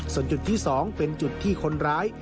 ส่วนจุดที่๒เป็นจุดที่คนร้าย